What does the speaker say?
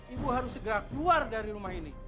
ibu harus segera keluar dari rumah ini